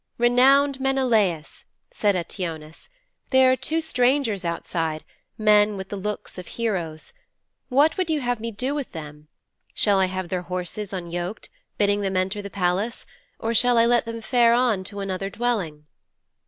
'Renowned Menelaus,' said Eteoneus, 'there are two strangers outside, men with the looks of heroes. What would you have me do with them? Shall I have their horses unyoked, bidding them enter the Palace, or shall I let them fare on to another dwelling?'